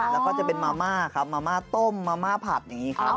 แล้วก็จะเป็นมาม่าครับมาม่าต้มมาม่าผัดอย่างนี้ครับ